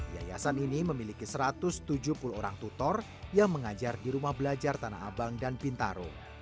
yayasan ini memiliki satu ratus tujuh puluh orang tutor yang mengajar di rumah belajar tanah abang dan pintaro